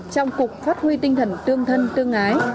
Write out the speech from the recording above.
trong cục phát huy tinh thần tương thân tương ái